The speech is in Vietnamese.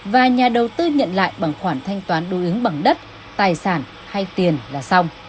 và nhà đầu tư nhận lại bằng khoản thanh toán đối ứng bằng đất tài sản hay tiền là xong